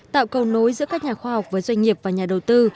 tạo cầu nối giữa các nhà khoa học với doanh nghiệp và nhà đầu tư